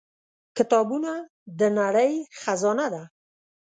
• کتابونه د نړۍ خزانه ده.